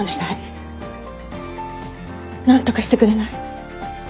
何とかしてくれない？